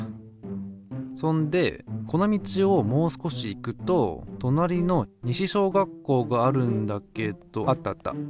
そんでこの道をもう少し行くととなりの西小学校があるんだけどあったあった。